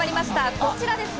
こちらですね。